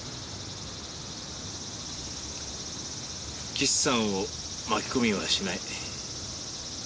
岸さんを巻き込みはしない。